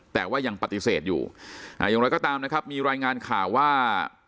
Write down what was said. แต่ว่ายังปฏิเสธอยู่อย่างไรก็ตามนะครับมีรายงานข่าวว่า